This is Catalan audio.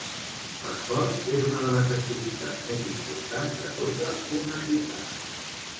L'esport és una de les activitats més importants de tota una ciutat.